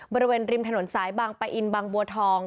บริเวณริมถนนสายบางปะอินบางบัวทอง